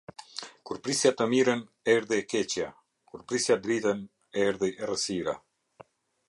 Kur prisja të mirën, erdhi e keqja; kur prisja dritën, erdhi errësira.